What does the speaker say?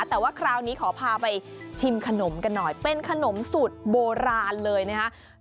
แต่ว่าคราวนี้ขอพาไปชิมขนมกันหน่อยเป็นขนมสูตรโบราณเลยนะครับ